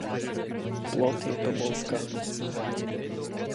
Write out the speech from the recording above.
Plod je tobolka.